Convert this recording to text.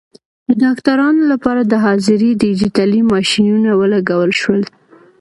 د ډاکټرانو لپاره د حاضرۍ ډیجیټلي ماشینونه ولګول شول.